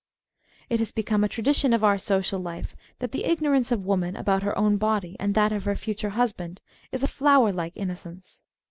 It has become a tradition of our social life that the ignorance of woman about her own body and that of her future husband is a flower like innocence.